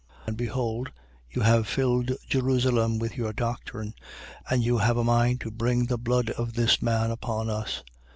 And behold, you have filled Jerusalem with your doctrine: and you have a mind to bring the blood of this man upon us.